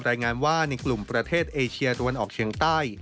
รายงานว่าในกลุ่มประเทศเอเชียตะวันออกเชียงใต้